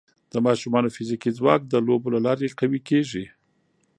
د ماشومانو فزیکي ځواک د لوبو له لارې قوي کېږي.